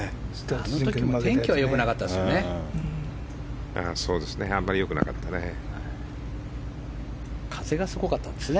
あの時も天気は良くなかったですね。